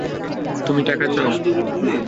তুমি টাকা চাও?